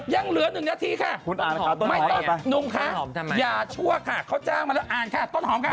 ยังเหลือ๑นาทีค่ะไม่ต้องหนุ่มคะอย่าชั่วค่ะเขาจ้างมาแล้วอ่านค่ะต้นหอมค่ะ